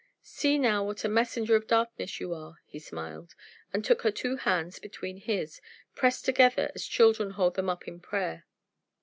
See now what a messenger of darkness you are!" He smiled, and took her two hands between his, pressed together as children hold them up in prayer.